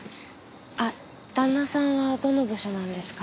あっ旦那さんはどの部署なんですか？